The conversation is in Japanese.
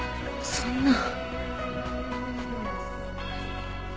そんな。